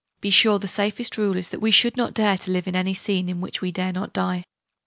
Be sure the safest rule is that we should not dare to live in any scene in which we dare not die.